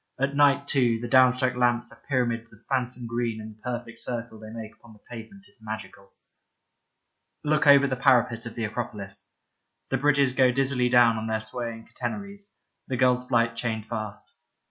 At night, too, the down struck lamps are pyramids of phantom green and the perfect circle they make upon the pavement is magical. Look over the parapet of the Acropolis. The bridges go dizzily down on their swaying catenaries, the gull's flight chained fast.